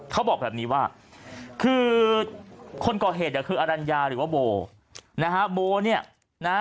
เขาบอกแบบนี้ว่าคือคนก่อเหตุอ่ะคืออรัญญาหรือว่าโบนะฮะ